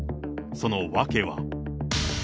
その訳は。